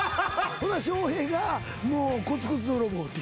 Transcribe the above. ほな笑瓶がもうコツコツ泥棒って。